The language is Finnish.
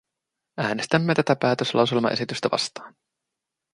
Äänestämme tätä päätöslauselmaesitystä vastaan.